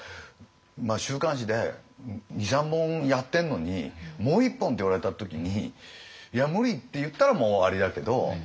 週刊誌で２３本やってんのにもう１本って言われた時に「いや無理！」って言ったらもう終わりだけど。